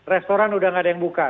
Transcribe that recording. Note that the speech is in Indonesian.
restoran udah gak ada yang buka